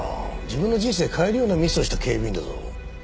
自分の人生変えるようなミスをした警備員だぞ。